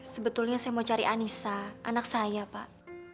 sebetulnya saya mau cari anissa anak saya pak